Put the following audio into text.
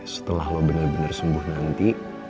setelah lo bener bener sembuh nanti